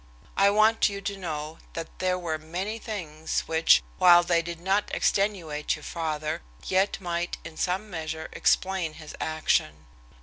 I want you to know that there were many things which, while they did not extenuate your father, yet might in some measure explain his action.